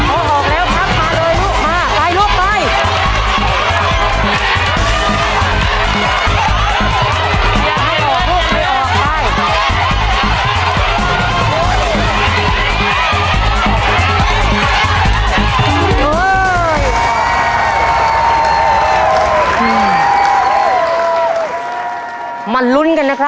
พอออกแล้วครับมาเลยลูกมาไปลูกไป